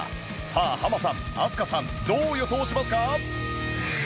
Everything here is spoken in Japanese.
さあハマさん飛鳥さんどう予想しますか？